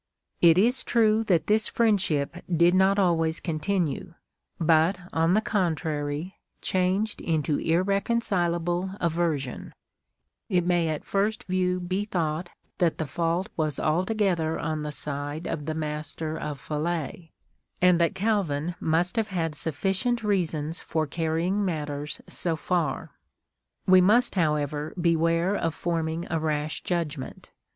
^" It is true that this friendship did not always continue, but, on the contrary, changed into irreconcilable aversion. It may at first view be thought, that the fault was alto gether on the side of the Master of Falais, and that Calvin ^" Entier amy a jamais ;"—" Thorough friend for ever." xii TRANSLATOR S PKEFACE. must have had sufficient reasons for carrying matters so far. We must, however, beware of forming a rash judgment.